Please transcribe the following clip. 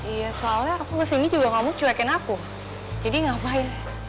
iya soalnya aku kesini juga kamu cuekin aku jadi ngapain